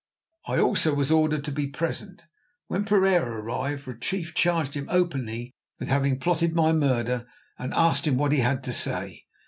I also was ordered to be present. When Pereira arrived, Retief charged him openly with having plotted my murder, and asked him what he had to say.